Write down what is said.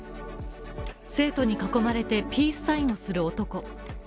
生徒に囲まれてピースサインをする男。